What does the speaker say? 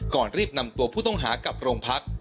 ก่อนรีบนำตัวผู้ต้องหากลับโรงพัก